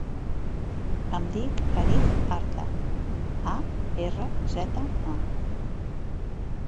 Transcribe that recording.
Em dic Arij Arza: a, erra, zeta, a.